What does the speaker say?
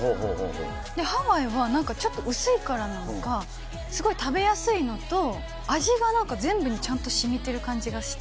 ハワイは、なんかちょっと薄いからなのか、すごい食べやすいのと、味がなんか、全部にちゃんとしみてる感じがして。